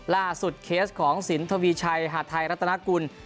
ล่าสุดเคสของสินทวีชัยหาดไทยรัฐนาคุณ